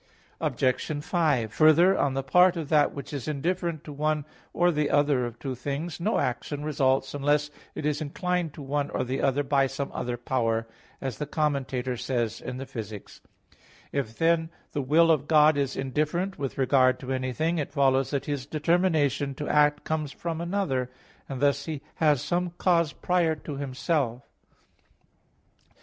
Obj. 5: Further, on the part of that which is indifferent to one or the other of two things, no action results unless it is inclined to one or the other by some other power, as the Commentator [*Averroes] says in Phys. ii. If, then, the Will of God is indifferent with regard to anything, it follows that His determination to act comes from another; and thus He has some cause prior to Himself.